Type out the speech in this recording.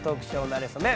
なれそめ」